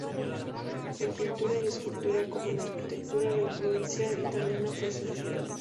En pintura y escultura, como en arquitectura, la influencia italiana fue esencial.